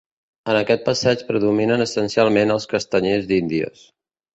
En aquest passeig predominen essencialment els castanyers d'Índies.